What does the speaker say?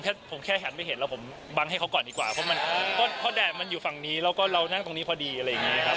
ถ้าผมแค่หันไปเห็นแล้วผมบังให้เขาก่อนดีกว่าเพราะมันก็เพราะแดดมันอยู่ฝั่งนี้แล้วก็เรานั่งตรงนี้พอดีอะไรอย่างนี้ครับ